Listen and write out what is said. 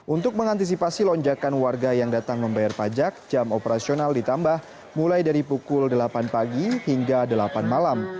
untuk mengantisipasi lonjakan warga yang datang membayar pajak jam operasional ditambah mulai dari pukul delapan pagi hingga delapan malam